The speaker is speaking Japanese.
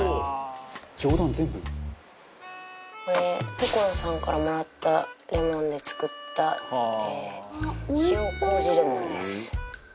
所さんからもらったレモンで作った塩麹レモンです。